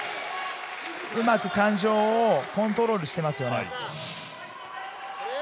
うまく感情をコントロールしています。